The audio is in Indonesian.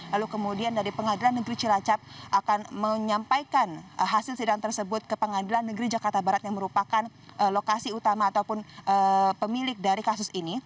lalu kemudian dari pengadilan negeri cilacap akan menyampaikan hasil sidang tersebut ke pengadilan negeri jakarta barat yang merupakan lokasi utama ataupun pemilik dari kasus ini